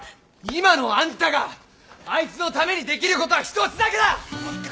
今のあんたがあいつのためにできることは一つだけだ！